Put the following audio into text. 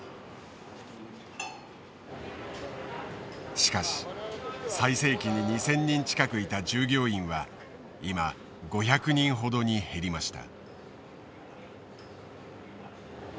しかし最盛期に２，０００人近くいた従業員は今５００人ほどに減りました。